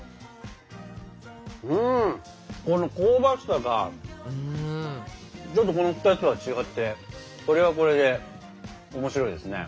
うんこの香ばしさがちょっとこの２つとは違ってこれはこれで面白いですね。